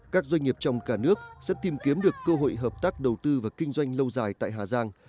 các doanh nghiệp trong cả nước sẽ tìm kiếm được cơ hội hợp tác đầu tư và kinh doanh lâu dài tại hà giang